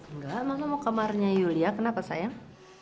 enggak mama mau ke kamarnya yulia kenapa sayang